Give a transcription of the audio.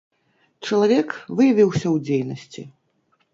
Чалавек выявіўся ў дзейнасці.